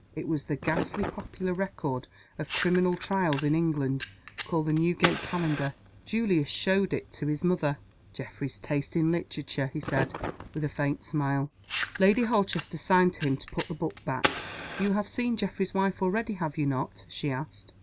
It was the ghastly popular record of Criminal Trials in England, called the Newgate Calendar. Julius showed it to his mother. "Geoffrey's taste in literature!" he said, with a faint smile. Lady Holchester signed to him to put the book back. "You have seen Geoffrey's wife already have you not?" she asked.